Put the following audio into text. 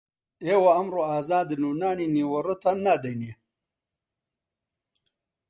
ئێوە ئەمڕۆ ئازادن و نانی نیوەڕۆتان نادەینێ